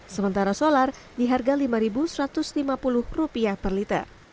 sementara solar di harga rp lima satu ratus lima puluh per liter